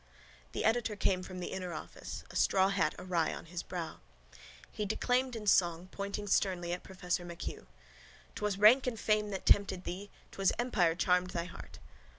The editor came from the inner office, a straw hat awry on his brow. He declaimed in song, pointing sternly at professor MacHugh: 'Twas rank and fame that tempted thee, 'Twas empire charmed thy heart.